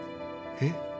えっ？